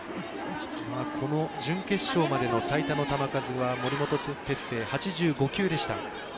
この準決勝までの最多の球数は森本哲星８５球。